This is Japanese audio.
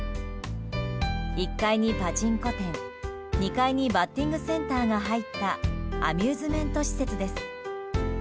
１階にパチンコ店、２階にバッティングセンターが入ったアミューズメント施設です。